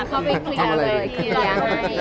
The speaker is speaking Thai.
อืมถ้าเจอเข้าไปเคลียร์เลย